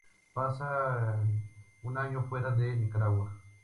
Pasan un año fuera de Nicaragua.